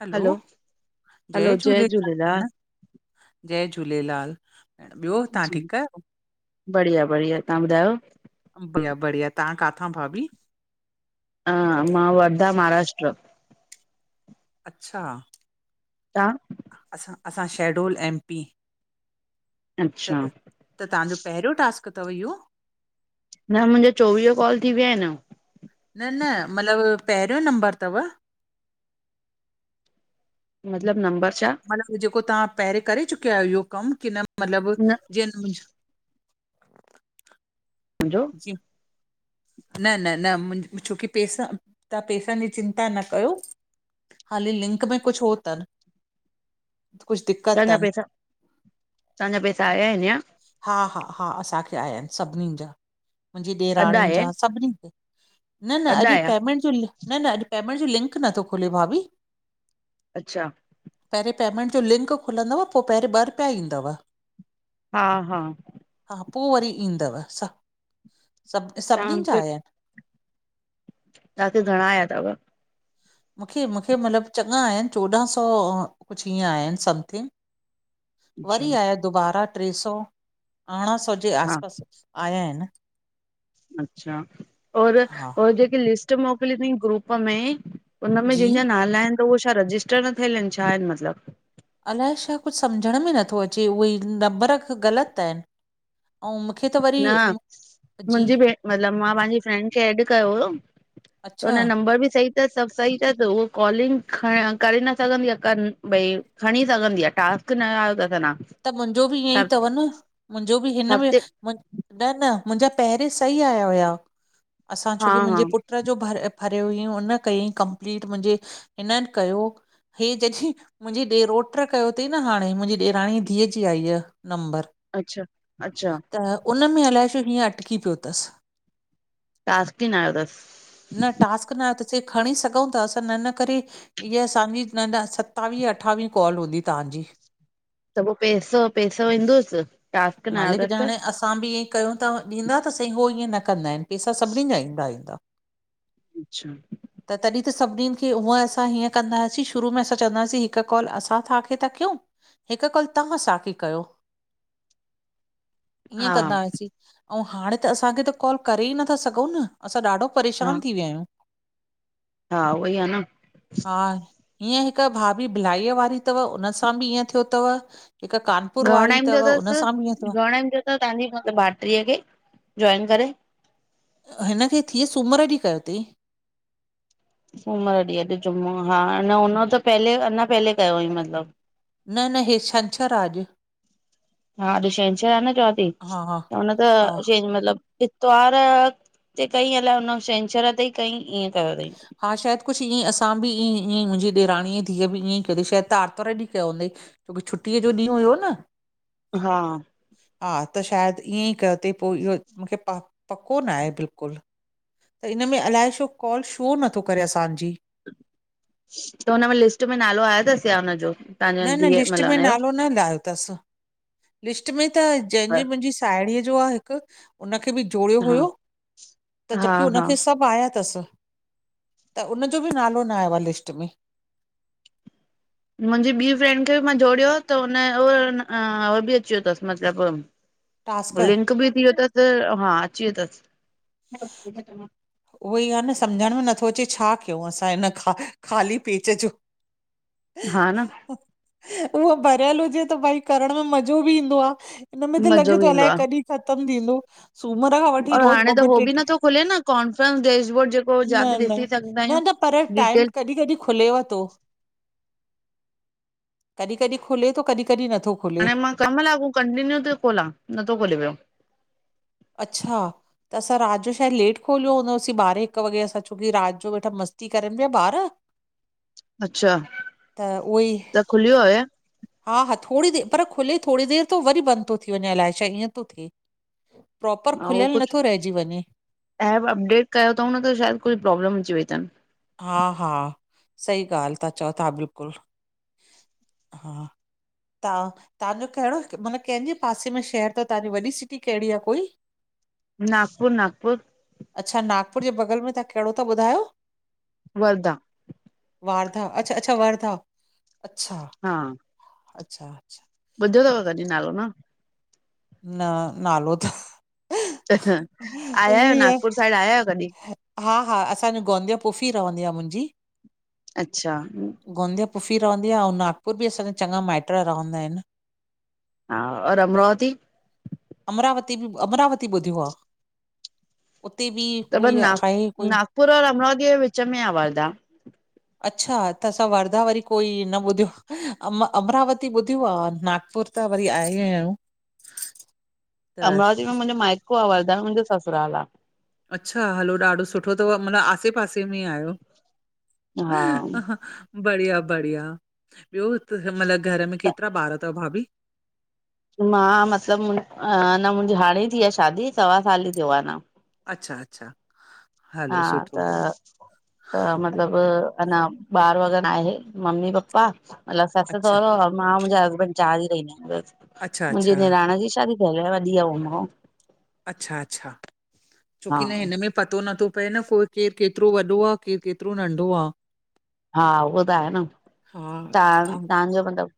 हलो, जय झूलेलाल भेण। जय झूलेलाल, ॿियो तव्हां जी ठीक आहियो? बढ़िया- बढ़िया, तव्हां ॿुधायो? बढिया- बढ़िया, तव्हां काथां भाभी? मां वर्धा महाराष्ट्र। अच्छा। तांह? असां, असां शहडोल एम पी। अच्छा त तव्हांजो पहिरियों टास्क थव इहो? न मुंहिंजा चोवीह कॉल थी विया आहिनि। न न मतलबु पहिरियों नंबर अथव मतिलब नंबर छा? मतिलबु जेको तव्हां पहिरें करे चुकिया आहियो इहो कमु की न मतलबु न जीअं [unintelligible] जी। न न न मुंहिंज छोकी पैसा तव्हां पैसनि जी चिंता न कयो। हाली लिंक में कुछ हो अथनि। कुछ दिक़त तवांजा अथनि। पैसा तवांजा पैसा आया आहिनिया? हा हा हा असांखे आयाां आहिनि सभिनीनि जा मुंहिंजी अधु ॾेराणियुनि आया जा आहिनि सभिनी न न अधु अॼु आया पेमेंट जो न लिं न न अॼु पेमेंट जो लिंक नथो खुले भाभी। अच्छा। पहिरें पेमेंट जो लिंक खुलंदव पोइ पहिरे ॿ रुपिया ईंदव। हा हा हा पोइ वरी ईंदव सभ सभ सभिनीनि जा तव्हांखे आया आहिनि। तव्हांखे घणा आया अथव? मूंखे मूंखे मतलबु चङा आया आहिनि चोॾहं सौ कुछ ईय आया आहिनि समथिंग। अच्छा वरी आयया दुबारा टे सौ अरिड़हं सौ जे हा आस पास आया आहिनि। अच्छा और हा और जेकी लिस्ट मोकिली अथई ग्रुप में उनमें जी जंहिंजा नाला आहिनि त उहे छा रजिस्टर न थियल आहिनि छा आहिनि मतिलब? अलाए छा कुझ सम्झण में नथो अचे उहे नबर ग़लति आहिनि अएन अऊ न मुंहिंजी भेण मतलबु मां पंहिंजी फ्रेंड खे एड कयो हुओ त अच्छा हुनन नंबर बि सही त सभु सही अ उह कॉलिंग करे न सघंदी आहे कनि भई खणी सघंदी आहे टास्क न आयो तस अन्ना त मुंहिंजो बि ईअं ई अथव न मुंहिंजो बि हिन में हफ़्ते न न मुंहिंजा पहिरें सही आया हुया असां हा छोकी हा मुंहिंजे पुटु ऊन जो भरे भरियो हुअईं हुन कईं कंपलीट मुंहिंजे हिननि कयो हे चयंदी मुंहिंजी ॾेरोट कयो अथई न हाणे मुंहिंजी ॾेराणी धीअ जी आई आहे नंबर। अच्छा अच्छा त उन में अलाए छो हीअं अटकी पियो अथसि। टास्क ही न आहियो तस। न टास्क नायो तस चयई खणी सघूं था असां न इ करे ईअ असांजी न न सतावीह अठावीह कॉल हूंदी तव्हांजी। त पोइ पैसो पैसो ईंदूसि? मालिक ॾाणे असां बि ईअ कयूं था ॾींदा त सही हो ईअं न कंदा आहिनि। पेसा सभिनीनि जा ईंदा ईंदा। अच्छा त तॾहिं त सभिनीनि खे हूअं असां हीअं कंदा हुआसीं शुरू में असां चवंदा हुआसीं हिकु कॉल असां तवांखे था कयूं। हिकु कॉल तव्हां असांखे कयो ईअं हा कंदा हुआसीं। ऐं हाणे त असांखे त कॉल करे ई नथा सघूं न असां ॾाढो हा परेशानु थी विया आहियूं। हा उहोई आहे न हा, ईअं हिक भाभी बिलाई वारी तव, उन सां बि ईअं थियो तव। हिक कानपुर वारी तव, उन सां बि ईअं थियो। त तांजी इन भाइटीअ खे, जॉइन करे। हिन खे थिवियस, सूमर ॾींहुं कयो तईं। सूमर ॾींहुं अॼु जुमो आ, हुन त पहले, अञां पहले कयो अईं मतिलबु। न न, हे छंछरु आ अॼु। हा, अॼ छेंछर आ न चवां ती, अॼु हा हा त हुन त हा छं मतिलबु। त्वार ते कईं अलाए हुन छंछर ते कयईं, ईअं कयो तईं। हा शायदि कुछु ईअं असां बि ईं ईअं ई मुंहिंजी ॾेराणीअ जी धीअ बि ईअंईं कई शायदि आर्तवारु ॾींहुं कयो हूंदईं। छुट्टीअ जो ॾींहुं हुयो न। हा। हा त, शायदि ईअं ई कयो तईं, पोइ इहो मुखे प पको नाहे बिल्कुलु। त इन में अलाए छो, कॉल छो नथो करे असांजी। त हुन में लिस्ट में नालो आयो तसि या हुनजो। तव्हांजे न न धीअ लिस्ट मतलब में हुनजो नालो न लायो। तसि, लिस्ट में त जंहिंजी मुंहिंजी साहेड़ीअ जो आ हिकु। उनखे बि जोड़ियो हा हुयो, त हा जबकी हा हुनखे सभु आया तसि। त उनजो बि नालो न आयो आ लिस्ट में। मुंहिंजी ॿी भेणु खे बि मां जोड़ियो आ त हुन उह उहो बि अची वियो तसि मतिलबु। टास्क लिंक बि थी वियो तसि, हा अची वियो तसि। उहो ई आ न, सम्झण में नथो अचे छा कियऊं असां, हिन ख़ाली पेज जो। हा न। उहो भरियल हुजे त भई करण में मज़ो बि ईंदो आ। हिनमें त लॻे मज़ो बि थो ईंदो अलाए आहे कॾी ख़तमु थींदो, सूमर खां वठी रोज़ ॿ ॿ टे टे कनफ्रेंस डेज़ वर्ड जेक। न न, न न पर डिटेल टाइम कॾी कॾी खुलेव तो। कॾी कॾी खुले थो कॾी कॾी नथो खुले। हाणे मां केम लाॻूं कंटिन्यू थी खोलां, नथो खोले पियो। अच्छा। त असां राति जो शायदि लेट खोलियो हूंदोसीं ॿारहें हिक वॻे, असां छोकी राति जो वेठा मस्ती करनि पिया ॿार। [inaudible] हा उओई। त खुली वियो आहे? हा हा, थोरी देरि, पर खुले थोरी देरि तो, वरी बंदि तो थी वञे अलाए छा ईअं तो थिए। प्रॉपर अऊं उहो खुलियल कुछु, नथो रहिजी वञे। ऐप अपडेट कयो तऊं न त शायदि कुछु प्रॉब्लम अची वई तनि। हा हा, सही ॻाल्हि ता चओ तां बिल्कुलु, हा। तां, तांजो कहिड़ो मतिलबु, कंहिंजे पासे में शहर तव तांजी वॾी सिटी कहिड़ी आ कोई? नागपुर नागपुर। अच्छा, नागपुर जे बगल में तां कहिड़ो ता ॿुधायो? वरदा। वारदा, अच्छा अच्छा वरदा, अच्छा। हा। अच्छा अच्छा। ॿुधो तव कॾी नालो, न। न, नालो थ त अं, आया आहियो ई आहे नागपुर साइड आया आहियो कॾी? हा हा असांजी गोंदिया फुफी रहंदी आ मुंहिंजी। अच्छा गोंदिया पुफी ऱवन्दी आ अऊं नागपुर बि असांजा चॼा माइट रहंदा आहिन। हा और अमरावती? अमरावती बि अमरावती ॿुधियो आ। उते बि कोई आहे कोई। पूरो रंगनोर जे विच में आ वार्धा। अच्छा त असां वर्धा वरी कोई न ॿुधियो आ अमरावती ॿुधियो आ। नागपुर त वरी आया आहियूं। त अमरावती में ठीक- मुंजो माइको आ वर्धा में मुंजो ससुराल आ। अच्छा हलो ॾाढो सुठो तव मतलब आसे-पासे में ई आहियो। हा ह हा [unintelligible] बढ़िया बढ़िया ॿियो तू हिमल घर में केतरा ॿार तव भाभी? मां मतलब न मुंहिंजी अना हाणे थी आए शादी सवा साल ई थियो आहे अना। अच्छा अच्छा हा हलो त सुठो त म - - मतलब अञ ॿार वग़ैर न आहे ममी पप्पा मतलब सस अच्छा सहुरो अऊं मां मुंहिंजा हस्बैंड चार ई रहींदा आहियां बस अच्छा अच्छा मुंहिंजी नीराण जी शादी थयल आ वॾी आहे मो खो। अच्छा अच्छा हा छोकी न हिन में पतो नथो पए न को केर केतिरो वॾो आ केर केतिरो नंढो आ। हा उहो त आहे न तव्हां हा तव्हांजो मतलब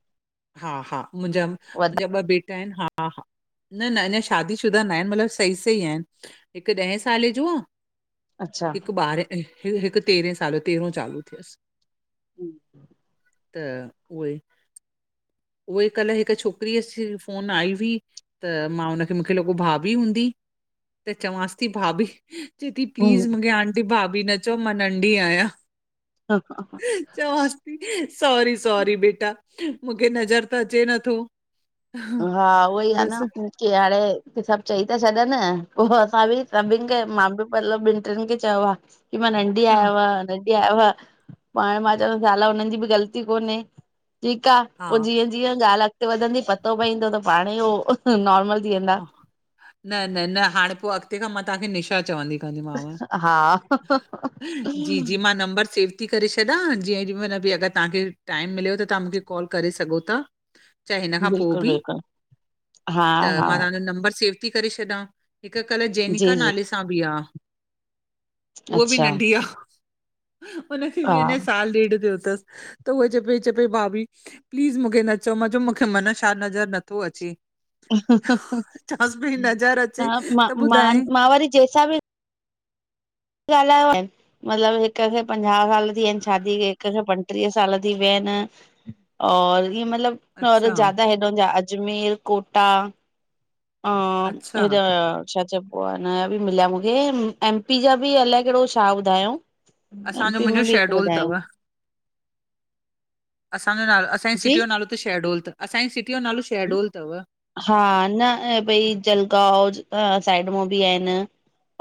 हा हा मुंहिंजा मुंहिंजा ॿ बेटा आहिन हा। हा हा न न अञा शादी शुदा न आहिन मतिलब सही सही आहिन। हिक ॾेह साले जो आ अच्छा हिक ॿारहें हिक तेरहें साले तेरहू चालू थी वयस। हम्म त उवई उह ई कल्ह हिक छोकिरीअ जी फोन आई हुई। त मां हुनखे मूंखे लॻो भाभी हूंदी त चंवास ती भाभी चेती प्लीज़ हम्म मूंखे आंटी भाभी न चओ मां नंढी आहियां। चवास ती सॉरी सॉरी बेटा। मूंखे नज़र त अचे नथो। हा उहोई आ न बसि पो। की हाणे सब चई त छॾन पो असां बि सभिन खे मां बि मतलब टिन खे चवां कि मां नंढी हा, अयाव [unintelligible] पाण मां चवंद साला हुनन जी बि ग़लती कोन्हे ठीक आ पो जीअं जीअं ॻाल्हि अॻते वधंदी पतो पईंदो त पाण ई उ नॉर्मल थी वेंदा। हा, न न न हाणे पो अॻते खां मां तव्हांखे निशा चवंदी दी माव हा जी जी मां नंबर सेव थी करे छॾां जें जेॾी महिल बि अगर तव्हांखे टाइम मिले त तव्हां मूंखे कॉल करे सघो था। चाहे हिन खां पो बिल्कुल बि बिल्कुल हा। त हा मां तव्हांजो नंबर सेव थी करे छॾा हिक कल्ह जेनिका जी जी नाले सां बि आ। उहा बि अच्छा नंढी आ हुनखे बि हा अञा साल ॾेढ थियो तस। त उह च पे चए पेई भाभी प्लीज़ मूंखे न चओ मां चयो मूंखे मन छा नज़र नथो अचे। चवांसि पई नज़र अचे मां त मां ॿुधाए मां वरी जें सा बि ॻाल्हायो आहे। मतलबु हिक खे पंजाहु साल थी विया आहिनि शादीअ खे, हिक खे पंटीह साल थी विया आहिनि और इहे मतलब और अच्छा ज्यादा हेॾो ज अजमेर, कोटा ह अच्छा हे छाच [inaudible] हुनजा बि मिलिया मूंखे, एमपी जा बि अलाए कहिड़ो छा ॿुधायउ असांजो मुंहिंजो शैहडोल तव, असांजो नालो असांजी जी सिटी जो नालो शहडोल [unintelligible] असांजी सिटीअ जो नालो शहडोल तव। हा न अ भई जलगांव साइड मां बि आहिनि।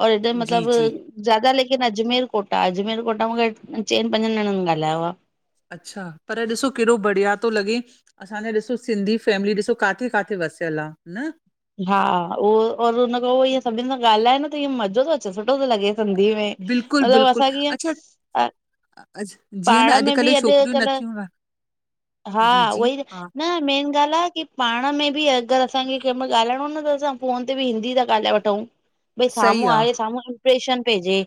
और इदे जी मतिलबु जी। ज्यादा लेकिन अजमेर कोटा अजमेर कोटा मूंखे चइनि पंजनि ॼणनि ॻाल्हायो आ। अच्छा पर ॾिसो केॾो बढ़िया तो लॻे असांजा ॾिसो सिंधी फैमिली ॾिसो काथे काथे वसियल आ न हा उहो और हुनन खां पो ईअ सभिनि सां ॻाल्हाए न त इअ मज़ो तो अचे सुठो तो लॻे। सिंधी में बिल्कुलु मतिलब बिल्कुलु असां क अच्छा आहे [unintelligible] अज जीअं न अॼुकल्ह छोकिरियूं नथियूं ॻालाएन हा उहई ना मेन ॻाल्हि आ की पाण में बि अगरि असांखे कैंहमल ॻाल्हाइणो न त असां फोन ते बि हिंदी ता ॻाल्हाए वठंयू भई सही साम्हूं आ हाणे साम्हूं प्रेशन पीजी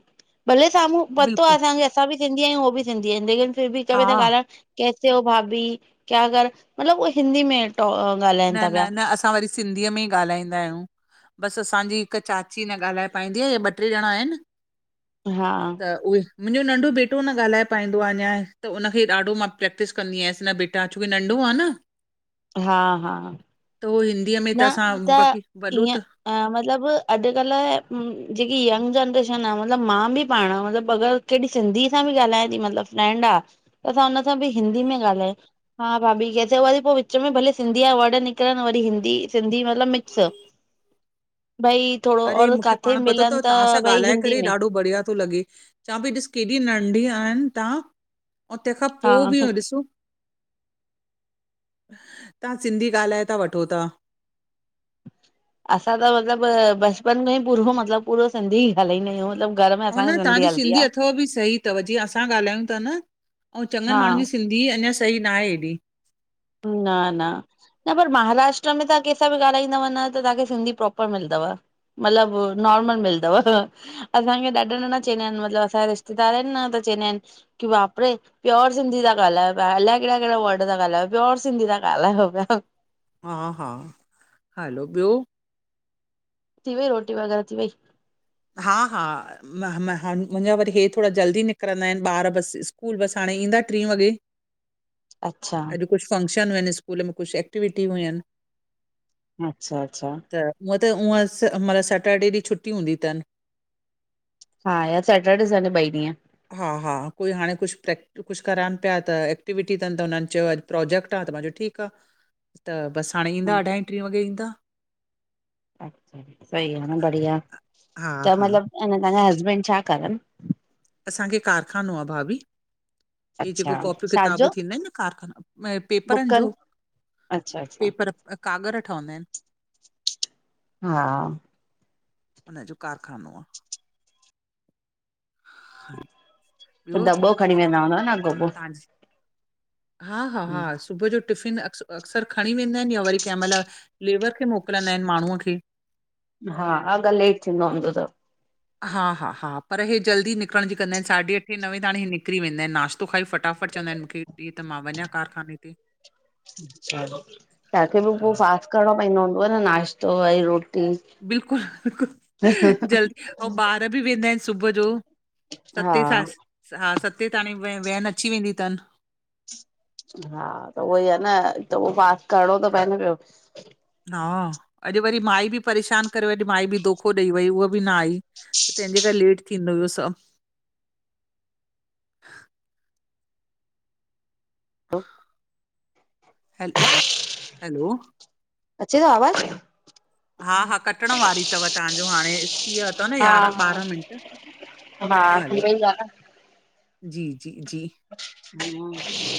भले साम्हूं पतो आ बिल्कुलु असांखे असां बि सिंधी आहियूं उह बि सिंधी ऐन लेकिन फिर बि हा कभी त गाला कैसे हो भाभी क्या कर मतिलब उ हिंदी में टो गाला न न न असां वरी सिंधीअ में ई ॻाल्हाईंदा अयूं बसि असांजी हिकु चाची न ॻाल्हाए पाईंदी आहे हे ॿ ट्रे ॼणां आहिनि हा त उहे मुंहिंजो नंढो बेटो न ॻाल्हाए पाईंदो आहे अञां त उनखे ॾाढो मां प्रैक्टिस कंदीयांस न बेट [unintelligible] नंढो आ न हा हा त उह हिंदीअ में त असां बाक़ी वॾो ईअं त अ मतिलबु अॼुकल्ह जेकी यंग जनरेशन आ मतिलबु मां बि पाणि मतिलबु अगरि केॾी सिंधीअ सां बि ॻाल्हायां ती मतिलबु फ्रैंड आ त असां हुन सां बि हिंदी में ॻाल्हायो हा भाभी केसे हो वरी पो वि चमई भले सिंधी जा वर्ड निकिरनि वरी हिंदी सिंधी मतलबु मिक्स भई थोड़ो अरे और मूंखे काथे पाण पतो मिलन तव त तांह सां भई ॻाल्हाए हिंदी करे में ॾाढो बढ़िया तो लॻे। चवां पई ॾिस केॾी नंढी आहिनि तांह तंहिंखां हा पोइ बि ॾिसो तांह सिंधी ॻाल्हाए ता वठो ता असां त मतिलबु बचपन खां ई पूरो मतिलबु पूरो सिंधी ई ॻालाईंदायूं मतिलबु हुन तव्हांजी सिंधी अथव बि सही तव जीअं असां ॻाल्हायूं ता न अयूं चगंनि हा माण्हुनि जी सिंध ही अञां सही न आये ऐॾी। न ना न पर महाराष्ट्र में तांह कैसां बि ॻाल्हाईंदव न त तांखे सिंधी प्रोपर मिलदव। मतिलबु नॉर्मल मिलदव। असांखे ॾाढो नन चयंंदा आहिनि मतिलबु असांजा रिश्तेदार आहिनि न त चयंदा आहिनि की वापरे प्योर सिंधी त गालयो प अलाय केहिड़ा केहिड़ा वर्ड त गालायो प्योर सिंधी त ॻाल्हायो त प्या। हा हा हलो ॿियो? थी वई रोटी वगैरह थी वई? हा हा मां ह मां मुंहिंजा वरी हे थोड़ा जल्दी निकिरंदा आहिनि ॿार बसि स्कूल बसि हाणे ईंदा ट्री वॻे। अच्छा अॼु कुझु फंक्शन हुंयन स्कूल में कुझु एक्टिवटी हुंयन अच्छा अच्छा त हूअ त उअं स मतिलबु सैटरडे ॾींहुं छुट्टी हूंदी तन हा सेटर्डे सॾें ॿई ॾींहं। हा हा कोई हाणे कुझु प्रैक्ट कुझु कराइनि प्या त एक्टिविटी तन त हुननि चयो अॼु प्रोजेक्ट आ त मां चो ठीकु क त ॿसि हाणें त बसि हाणे ईंदा हा अढ़ाई ट्री वॻे ईंदा। अच्छा सही आ न बढ़िया हा त हा मतलबु अंञा तव्हांजा हसबैंड छा करनि? असांखे कारखानो आ भाभी। हे जेको अच्छा कॉपियूं छाजो किताबु थींदा आहिनि न काॻर पेपरनि जो बुकनि अच्छा अच्छा पेपर कागर ठहंदा आहिनि। हा। उनजो कारखानो आहे। ॿियो त ॾंॿो खणी वेंदा हूंदा न अगोपो। हाहा हा सुबुह जो टिफिन अक्स अक्सर खणी वेंदा आहिनि या वरी कंहिं महिल लेबर खे मोकिलींदा आहिनि माण्हूअ खे। हा, अगर लेट थींदो हुंदो त हा हा हा पर हे जल्दी निकिरण जी कंदा आहिनि साढे अठे नवें ताणी इहे निकिरी वेंदा आहिनि नाश्ता तो खाई फटाफट चवंदा आहिनि मूंखे ॾींं त मां वञा कारखाने ते। तव्हांखे बि पोइ हा फास्ट करिणो पवंदो हूंदो आहे न नाश्तो वरी रोटी। बिल्कुलु ह ह बिलकुलु जल्दी ऐं बार घ बि वेंदा आहिनि सुबह जो हा सते सां हा सते ताणी व वैन अची वेंदी अथनि। हा त उहो ई आहे न त उहो फास्ट करणो थो पए न पियो हा, अॼु वरी माई बि परेशान करे वॼु माई बि धोखो ॾेई वई उहा बि न आई। त तंहिंजे करे लेट थींदो हुयो सभु। हलो! हलो। अचे जो आवाज़? हा, हा, कटण वारी अथव तव्हांजो हाणे। थी वियोथव न हा यारहां ॿारहं मिंट हा थी हेलो! वई आ जी जी जी हम! ठीकु